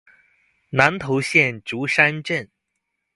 南投縣竹山鎮